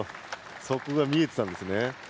そこが見えてたんですね。